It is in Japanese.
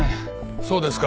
そうですか。